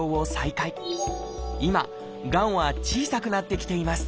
今がんは小さくなってきています